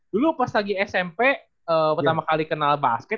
dulu pas lagi smp pertama kali kenal basket